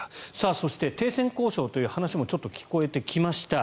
そして停戦交渉という話もちょっと聞こえてきました。